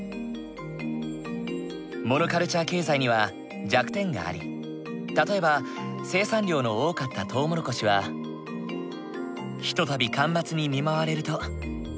モノカルチャー経済には弱点があり例えば生産量の多かったとうもろこしはひとたび干ばつに見舞われると壊滅的な被害を被り